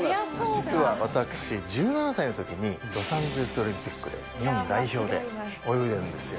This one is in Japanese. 実は私、１７歳のときに、ロサンゼルスオリンピックで日本代表で泳いでるんですよ。